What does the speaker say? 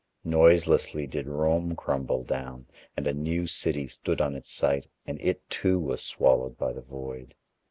Noiselessly did Rome crumble down, and a new city stood on its site and it too was swallowed by the void.